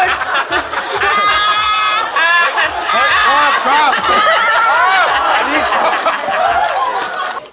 พระเจ้าตากศิลป์